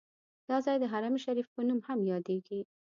دا ځای د حرم شریف په نوم هم یادیږي.